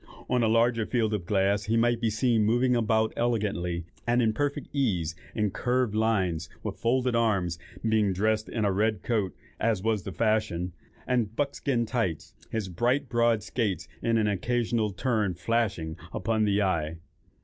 On a larger field of glass he might be seen moving about elegantly, and at perfect ease, in curve lines, with folded arms, being dressed in a red coat, as was the fashion, and buckskin tights, his bright broad skaites in an occasional turn flashing upon the eye.